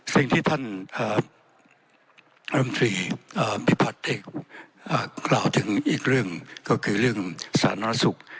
สิ่งที่ท่านรัฐมีภาตรีดแกล่าถึงอีกเรื่องก็คือเรื่องสถานศักดิ์สุข